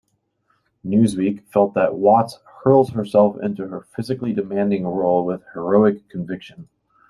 "Newsweek" felt that Watts "hurls herself into her physically demanding role with heroic conviction".